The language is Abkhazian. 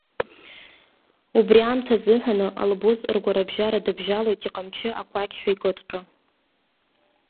Убриаамҭазыҳәаны Албуз ргәарбжьара дыбжьалот иҟамчы аҟәақҳа икыдҟьо.